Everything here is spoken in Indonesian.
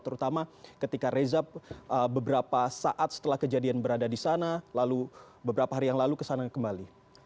terutama ketika reza beberapa saat setelah kejadian berada di sana lalu beberapa hari yang lalu kesana kembali